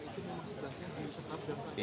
yang sebelas yang diusapkan